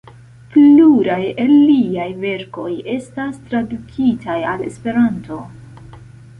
Pluraj el liaj verkoj estas tradukitaj al Esperanto.